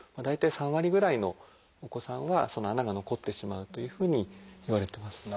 大体３割ぐらいのお子さんはその穴が残ってしまうというふうにいわれてます。